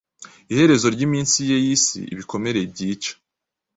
iherezo ryiminsi ye yisi ibikomere byica